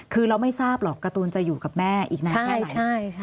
คือเราไม่ทราบหรอกการ์ตูนจะอยู่กับแม่อีกนานแค่ไหน